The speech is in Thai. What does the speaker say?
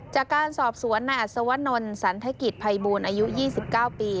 จากการสอบสวนในอัศวนศ์สันธกิจภัยบูรณ์อายุ๒๙ปี